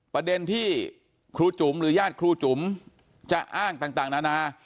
ประเด็นที่ครูจุ๋มหรือญาติครูจุ๋มจะอ้างต่างนานา